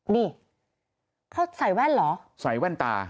นี่เขาใส่แว่นเหรอใส่แว่นตา